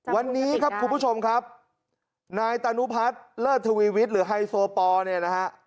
วันนี้ครับคุณผู้ชมครับนายตานุพัฒน์เลิศทวีวิทย์หรือไฮโซปอลเนี่ยนะฮะ